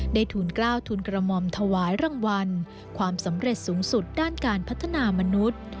ทูลกล้าวทุนกระหม่อมถวายรางวัลความสำเร็จสูงสุดด้านการพัฒนามนุษย์